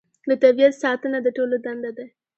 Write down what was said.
د طبیعت ساتنه د ټولو دنده ده